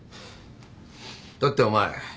だってお前